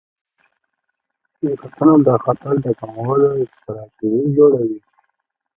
شرکتونه د خطر کمولو ستراتیژي جوړوي.